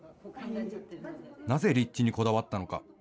なぜ立地にこだわったのか。